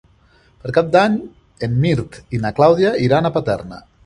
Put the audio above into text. Per Cap d'Any en Mirt i na Clàudia iran a Paterna.